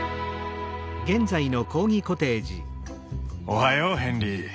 おはようヘンリー。